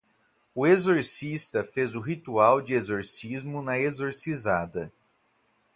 O exorcista fez o ritual de exorcismo na exorcizada